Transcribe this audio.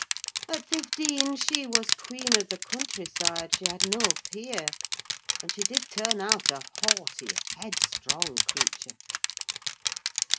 At fifteen she was the queen of the country side; she had no peer; and she did turn out a haughty, headstrong creature!